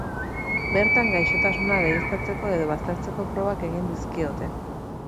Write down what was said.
Bertan gaixotasuna baieztatzeko edo baztertzeko probak egin dizkiote.